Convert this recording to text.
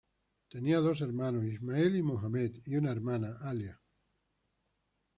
Tenía dos hermanos, Ismail y Mohammed y una hermana, Alia.